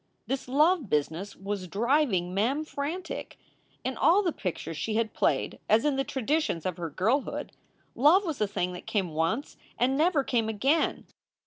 This love business was driving Mem frantic. In all the pictures she had played, as in the traditions of her girlhood, love was a thing that came once and never came again.